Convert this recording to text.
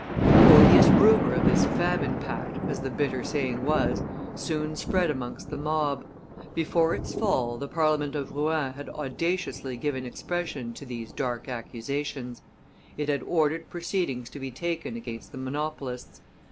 The odious rumor of this famine pact, as the bitter saying was, soon spread amongst the mob. Before its fall, the Parliament of Rouen had audaciously given expression to these dark accusations; it had ordered proceedings to be taken against the monopolists.